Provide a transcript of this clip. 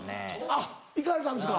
あっ行かれたんですか。